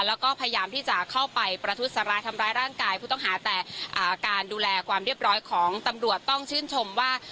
แล้วก็พยายามที่จะเข้าไปประทุษร้ายทำร้ายร่างกายผู้ต้องหาแต่การดูแลความเรียบร้อยของตำรวจต้องชื่นชมว่า